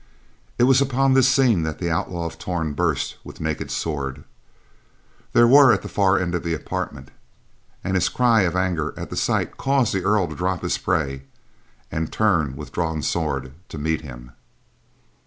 It was upon this scene that the Outlaw of Torn burst with naked sword. They were at the far end of the apartment, and his cry of anger at the sight caused the Earl to drop his prey, and turn with drawn sword to meet him.